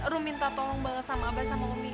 rom minta tolong banget sama abah sama umi